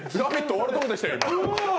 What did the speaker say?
終わるところでしたよ。